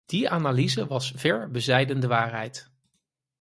Die analyse was ver bezijden de waarheid.